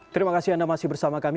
terima kasih anda masih bersama kami